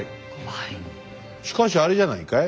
しかしあれじゃないかい？